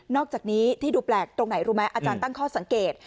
อกจากนี้ที่ดูแปลกตรงไหนรู้ไหมอาจารย์ตั้งข้อสังเกต